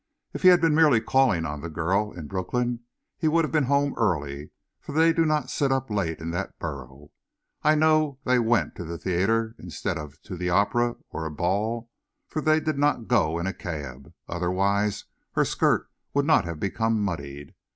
If he had been merely calling on the girl in Brooklyn, he would have been home early, for they do not sit up late in that borough. I know they went to the theatre, instead of to the opera or a ball, for they did not go in a cab, otherwise her skirt would not have become muddied.